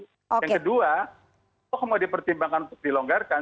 yang kedua kok mau dipertimbangkan untuk dilonggarkan